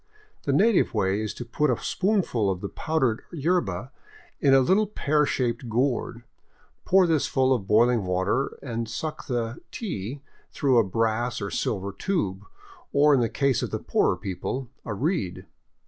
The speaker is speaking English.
The native way is to put a spoonful of the powdered yerba in a little pear shaped gourd, pour this full of boiling water, and suck the '' tea " through a brass or silver tube, or in the case of the poorer people, a reed.